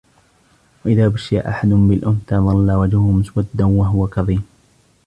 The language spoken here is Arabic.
وإذا بشر أحدهم بالأنثى ظل وجهه مسودا وهو كظيم